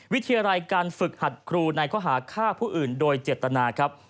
วิทยาลัยการฝึกหัดครูในข้อหาฆ่าผู้อื่นโดยเจตนาครับ